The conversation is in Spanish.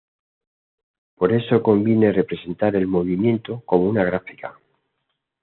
Por eso conviene representar el movimiento como una gráfica.